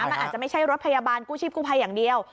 มันอาจจะไม่ใช่รถพยาบาลกู้ชีพกู้ภัยอย่างเดียว